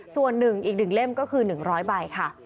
ส่วน๑อีก๑เล่มก็คือ๑๐๐ใบค่ะ